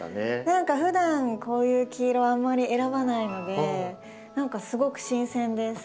何かふだんこういう黄色をあんまり選ばないので何かすごく新鮮です。